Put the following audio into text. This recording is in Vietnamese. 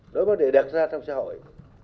đối với đề đạt ra trong xã hội